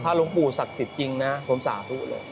หลวงปู่ศักดิ์สิทธิ์จริงนะผมสาธุเลย